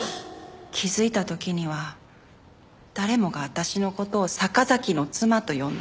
気づいた時には誰もが私の事を「坂崎の妻」と呼んでいた。